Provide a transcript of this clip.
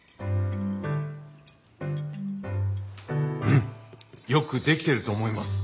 うんよく出来てると思います。